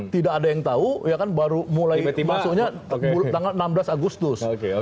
tidak ada yang tahu ya kan baru mulai masuknya tanggal enam belas agustus